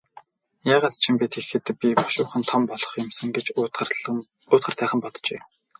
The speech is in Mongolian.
Яагаад ч юм бэ, тэгэхэд би бушуухан том болох юм сан гэж уйтгартайхан боджээ.